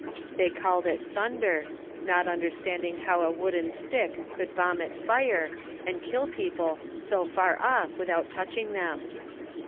They called it thunder, not understanding how a wooden stick could vomit fire, and kill people so far off with out touching them.